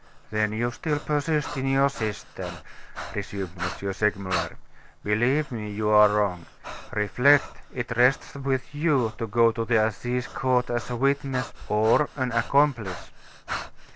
"Then you still persist in your system," resumed M. Segmuller. "Believe me, you are wrong. Reflect it rests with you to go to the Assize Court as a witness, or an accomplice."